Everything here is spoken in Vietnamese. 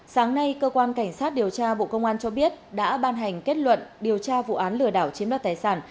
sáng nay cơ quan cảnh sát điều tra bộ công an cho biết đã ban hành kết luận điều tra vụ án lừa đảo chiếm đoạt tài sản